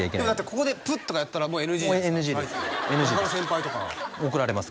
ここでプッとかやったらもうＮＧじゃないですか他の先輩とか怒られます